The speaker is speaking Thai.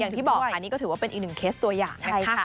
อย่างที่บอกอันนี้ก็ถือว่าเป็นอีก๑เคสตัวอย่าง